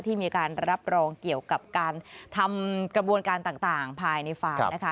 มีการรับรองเกี่ยวกับการทำกระบวนการต่างภายในฟาร์มนะคะ